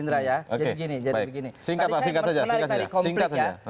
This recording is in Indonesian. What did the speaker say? tadi saya mulai dari komplik ya